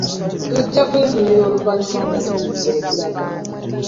Tujja kuyimirira oluvannyuma nga tutuuse we tulaga.